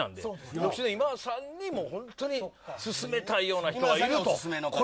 独身の今田さんに本当に勧めたいような人がいると。